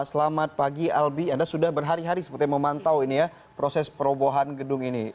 selamat pagi albi anda sudah berhari hari seperti memantau ini ya proses perobohan gedung ini